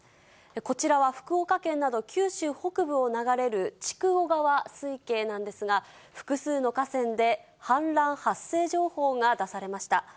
こちらは福岡県など、九州北部を流れる筑後川水系なんですが、複数の河川で氾濫発生情報が出されました。